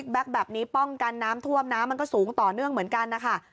แก๊กแบบนี้ป้องกันน้ำท่วมน้ำมันก็สูงต่อเนื่องเหมือนกันนะคะ